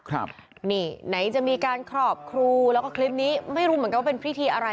ครับนี่ไหนจะมีการครอบครูแล้วก็คลิปนี้ไม่รู้เหมือนกันว่าเป็นพิธีอะไร